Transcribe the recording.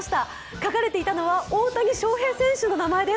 書かれていたのは大谷翔平選手の名前です。